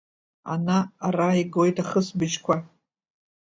Ана-ара игоит ахысбыжьқәа.